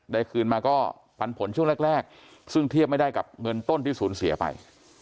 คืนมาก็ปันผลช่วงแรกซึ่งเทียบไม่ได้กับเงินต้นที่สูญเสียไป